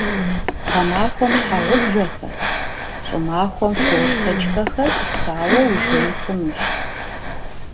Гъэмахуэм щхьэгъубжэхэр, щӀымахуэм форточкэхэр Ӏухауэ ужей хъунущ.